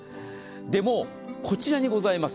でも、こちらにございます